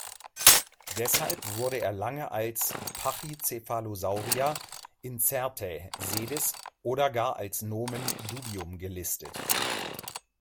Deshalb wurde er lange als Pachycephalosauria incertae sedis oder gar als nomen dubium gelistet.